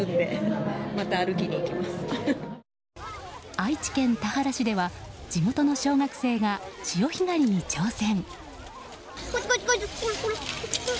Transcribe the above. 愛知県田原市では地元の小学生が潮干狩りに挑戦。